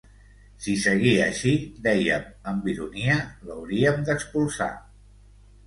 Si seguia així, déiem amb ironia, l’hauríem d’expulsar.